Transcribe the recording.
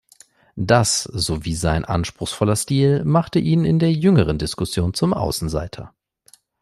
Das sowie sein anspruchsvoller Stil machte ihn in der jüngeren Diskussion zum Außenseiter.